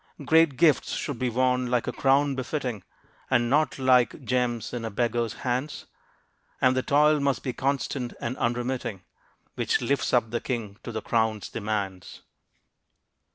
Great gifts should be worn, like a crown befitting! And not like gems in a beggar's hands. And the toil must be constant and unremitting Which lifts up the king to the crown's demands.